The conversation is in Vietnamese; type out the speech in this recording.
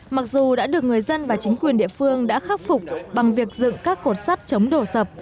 mặc dù đã được người dân và chính quyền địa phương đã khắc phục bằng việc dựng các cột sắt chống đổ sập